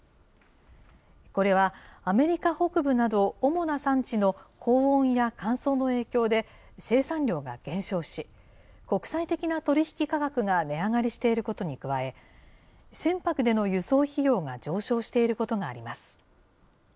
これはアメリカ北部など、主な産地の高温や乾燥の影響で、生産量が減少し、国際的な取り引き価格が値上がりしていることに加え、船舶での輸送費用が上昇していることがあります。